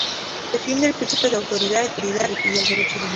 Defiende el principio de autoridad y el derecho divino.